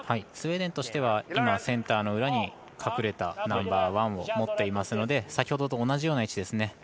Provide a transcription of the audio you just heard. スウェーデンとしてはセンターの裏に隠れたナンバーワンを持っていますので先ほどと同じような位置ですね。